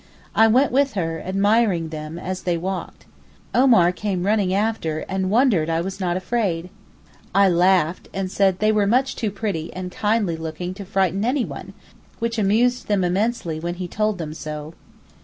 I went with her, admiring them as they walked. Omar came running after and wondered I was not afraid. I laughed, and said they were much too pretty and kindly looking to frighten anyone, which amused them immensely when he told them so.